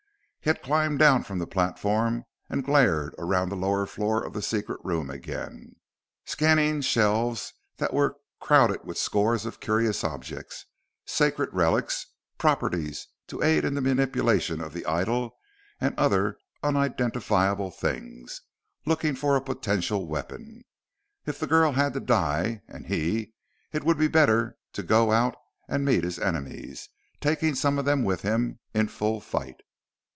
He had climbed down from the platform and glared around the lower floor of the secret room again, scanning shelves that were crowded with scores of curious objects, sacred relics, properties to aid in the manipulation of the idol and other unidentifiable things looking for a potential weapon. If the girl had to die and he it would be better to go out and meet his enemies, taking some of them with him in full fight.